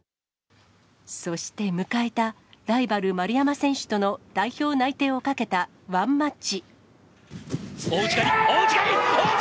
そして迎えたライバル、丸山選手との代表内定をかけたワンマッチ。